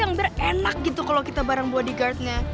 yang biar enak gitu kalo kita bareng bodyguardnya